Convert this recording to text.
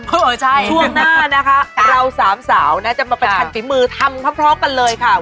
ช่วงหน้านะคะเราสามสาวนะจะมาประชันฝีมือทำพร้อมกันเลยค่ะ